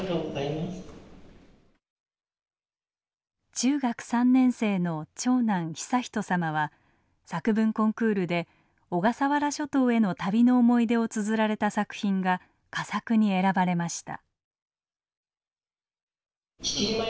中学３年生の長男悠仁さまは作文コンクールで小笠原諸島への旅の思い出をつづられた作品が佳作に選ばれました。